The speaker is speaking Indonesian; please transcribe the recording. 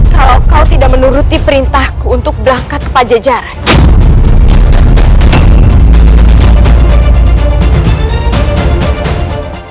kalau kau tidak menuruti perintahku untuk berangkat ke pajajaran